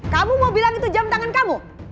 kamu mau bilang itu jam tangan kamu